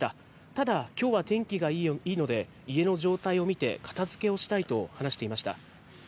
ただ、きょうは天気がいいので、家の状態を見て、片づけをしたいと話していました。